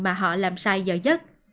mà họ làm sai giờ nhất